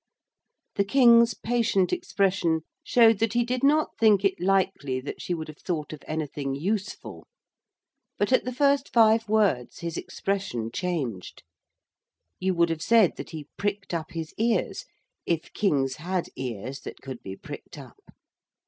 The King's patient expression showed that he did not think it likely that she would have thought of anything useful; but at the first five words his expression changed. You would have said that he pricked up his ears, if kings had ears that could be pricked up.